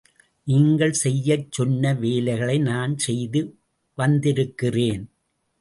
நீங்கள் செய்யச் சொன்ன வேலைகளை நான் செய்து வந்திருக்கிறேன்.